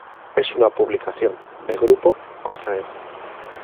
Es una publicación de Grupo Correo.